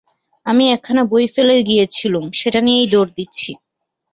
আমি একখানা বই ফেলে গিয়েছিলুম, সেটা নিয়েই দৌড় দিচ্ছি।